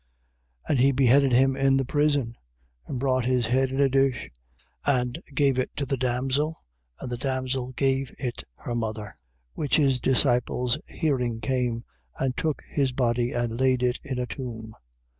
6:28. And he beheaded him in the prison, and brought his head in a dish: and gave to the damsel, and the damsel gave it her mother. 6:29. Which his disciples hearing came, and took his body, and laid it in a tomb.